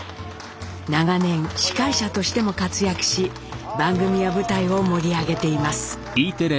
長年司会者としても活躍し番組や舞台を盛り上げています。